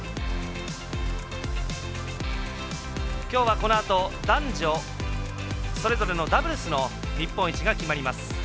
きょうは、このあと男女それぞれのダブルスの日本一が決まります。